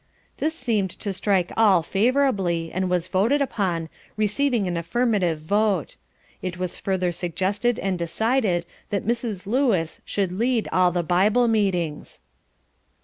This seemed to strike all favourably, and was voted upon, receiving an affirmative vote. It was further suggested and decided that Mrs. Lewis should lead all the Bible meetings.